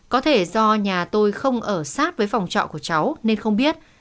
có thể do nhà tôi không ở sát với phòng trọ của cháu nên không biết